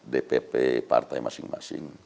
dpp partai masing masing